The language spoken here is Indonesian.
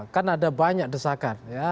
kan ada banyak desakan